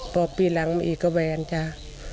ครอบปีหลังมีอีกก็แวนจ้า